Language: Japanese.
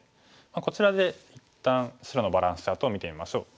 こちらで一旦白のバランスチャートを見てみましょう。